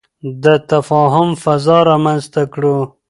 د تفاهم فضا رامنځته کړو.